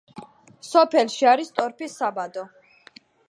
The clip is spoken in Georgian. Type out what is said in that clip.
სოფელში არის ტორფის საბადო.